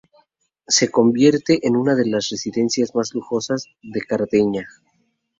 Se convierte en una de las residencias más lujosas de Cerdeña.